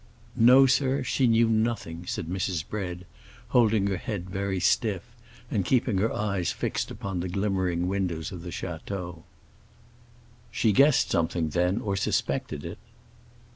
"No, sir, she knew nothing," said Mrs. Bread, holding her head very stiff and keeping her eyes fixed upon the glimmering windows of the château. "She guessed something, then, or suspected it."